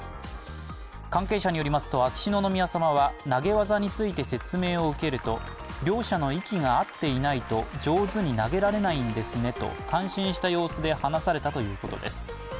関係者によりますと秋篠宮さまは投げ技について説明を受けると両者の息が合っていないと上手に投げられないんですねと関心した様子で話されたということです。